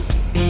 ya itu dia